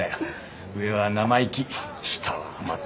上は生意気下は甘ったれ。